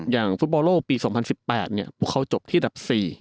อย่างฟุตบอลโลกปี๒๐๑๘พวกเขาจบที่อันดับ๔